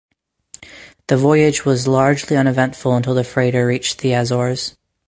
The voyage was largely uneventful until the freighter reached the Azores.